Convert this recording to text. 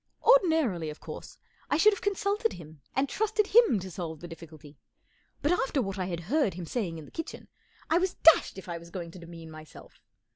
Ordinarily, of course, I should have con¬ sulted him and trusted to him to solve the difficulty; but after what I had heard him saying in the kitchen, I was dashed if I was going to demean myself.